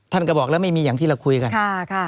ท่านก็บอกแล้วไม่มีอย่างที่เราคุยกัน